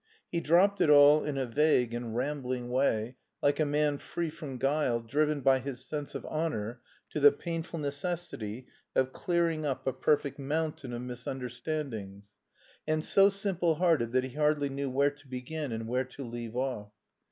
He dropped it all in a vague and rambling way, like a man free from guile driven by his sense of honour to the painful necessity of clearing up a perfect mountain of misunderstandings, and so simple hearted that he hardly knew where to begin and where to leave off.